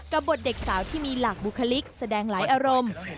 บทเด็กสาวที่มีหลักบุคลิกแสดงหลายอารมณ์